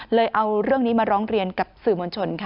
เอาเรื่องนี้มาร้องเรียนกับสื่อมวลชนค่ะ